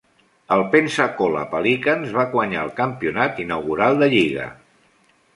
Els Pensacola Pelicans van guanyar el campionat inaugural de lliga.